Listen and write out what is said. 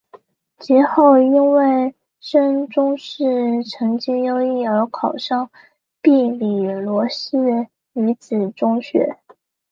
及后因为升中试成绩优良而考上庇理罗士女子中学。